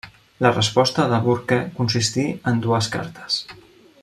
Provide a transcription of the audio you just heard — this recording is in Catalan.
La resposta de Burke consistí en dues cartes.